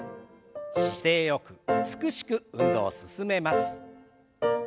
姿勢よく美しく運動を進めます。